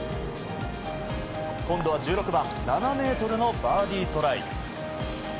今度は１６番７ｍのバーディートライ。